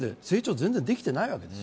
全然できていないわけです。